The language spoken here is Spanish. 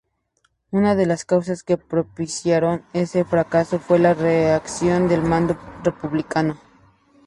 Una de las causas que propiciaron ese fracaso fue la reacción del mando republicano.